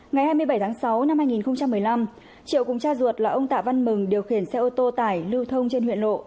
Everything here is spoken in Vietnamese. ngày hai mươi bảy tháng sáu năm hai nghìn một mươi năm triệu cùng cha ruột là ông tạ văn mừng điều khiển xe ô tô tải lưu thông trên huyện lộ